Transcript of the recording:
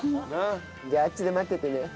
じゃああっちで待っててね。